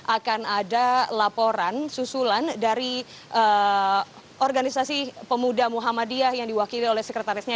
akan ada laporan susulan dari organisasi pemuda muhammadiyah yang diwakili oleh sekretarisnya